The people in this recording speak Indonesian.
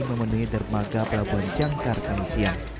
memenuhi dermaga pelabuhan jangkar kamisian